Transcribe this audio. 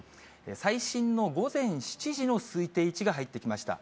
最新の午前７時の推定位置が入ってきました。